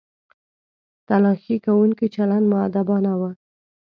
تلاښي کوونکو چلند مؤدبانه و.